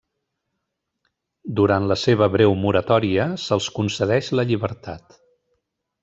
Durant la seva breu moratòria, se'ls concedeix la llibertat.